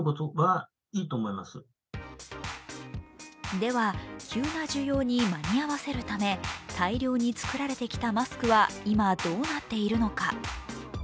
では、急な需要に間に合わせるため、大量に作られてきたマスクは今、どうなっているのか。